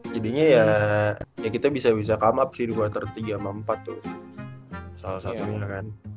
jadinya ya kita bisa bisa come up sih di quarter tiga sama empat tuh salah satunya kan